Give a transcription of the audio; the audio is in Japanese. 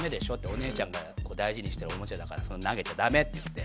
お姉ちゃんが大事にしてるおもちゃだから投げちゃダメって言って。